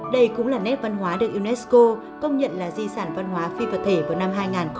đây cũng là nét văn hóa được unesco công nhận là di sản văn hóa phi vật thể vào năm hai nghìn một mươi